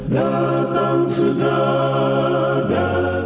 datang segera datang segera